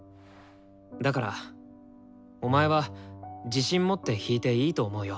だからお前は自信持って弾いていいと思うよ。